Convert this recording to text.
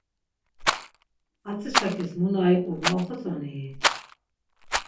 Atzişakis mu na iqu va oxotzonii?